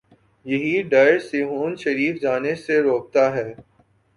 یہی ڈر سیہون شریف جانے سے روکتا ہے۔